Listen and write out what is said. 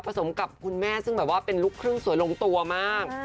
สมกับคุณแม่ซึ่งแบบว่าเป็นลูกครึ่งสวยลงตัวมาก